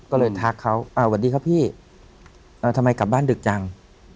ก็เลยทักเขาอ่าสวัสดีครับพี่ทำไมกลับบ้านดึกจัง